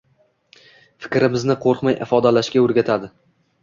Fikrimizni qo‘rqmay ifodalashga o‘rgatadi.